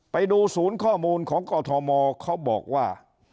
ไปดูศูนย์ข้อมูลของกอทมเขาบอกว่า